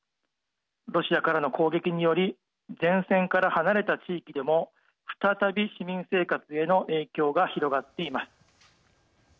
ロシアからの攻撃により前線から離れた地域でも再び市民生活への影響が広がっています。